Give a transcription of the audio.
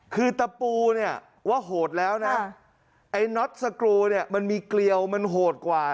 คือตะปูเนี่ยว่าโหดแล้วนะไอ้น็อตสกรูเนี่ยมันมีเกลียวมันโหดกว่า